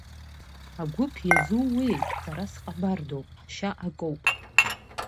Агәыԥ иазууеи, сара сҟабардоуп, ҳшьа акоуп!